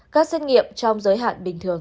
các xét nghiệm trong giới hạn bình thường